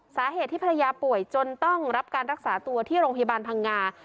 สาเหตุที่ภรรยาป่วยจนต้องรับการรักษาตัวที่โรงพยาบาลพังงา